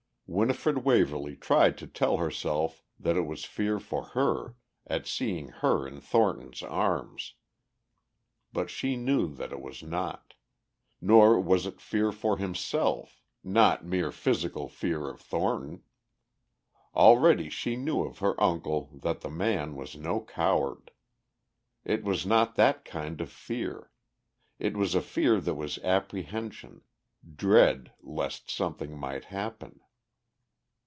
Winifred Waverly tried to tell herself that it was fear for her, at seeing her in Thornton's arms. But she knew that it was not. Nor was it fear for himself, not mere physical fear of Thornton. Already she knew of her uncle that the man was no coward. It was not that kind of fear; it was a fear that was apprehension, dread lest something might happen.